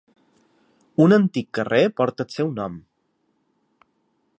Un antic carrer porta el seu nom.